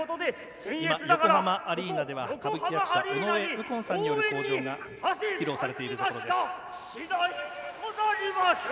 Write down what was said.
今、横浜アリーナでは歌舞伎役者、尾上右近さんによる口上が披露されているところです。